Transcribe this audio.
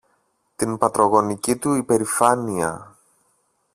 την πατρογονική του υπερηφάνεια